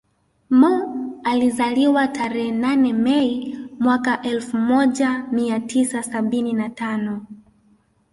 Mo alizaliwa tarehe nane Mei mwaka elfu moja mia tisa sabini na tano